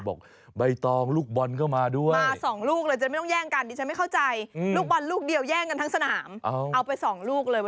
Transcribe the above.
เอาไปสองลูกเลยวันนี้ให้